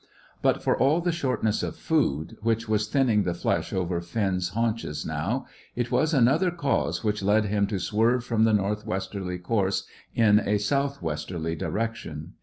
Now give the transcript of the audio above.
But for all the shortness of food, which was thinning the flesh over Finn's haunches now, it was another cause which led him to swerve from the north westerly course in a south westerly direction.